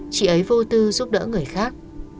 chị ấy vô tư giúp đỡ người khác